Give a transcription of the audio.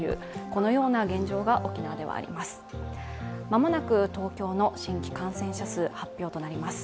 間もなく東京の新規感染者数発表となります。